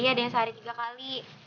ada yang sehari tiga kali